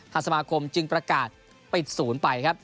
ทัศนาคมจึงประกาศปิดศูนย์ไป